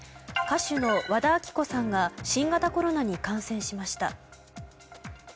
歌手の和田アキ子さんが新型コロナに感染しました。